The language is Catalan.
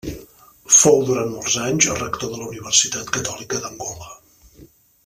Fou durant molts anys Rector de la Universitat Catòlica d'Angola.